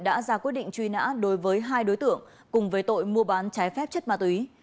đã ra quyết định truy nã đối với hai đối tượng cùng về tội mua bán trái phép chất ma túy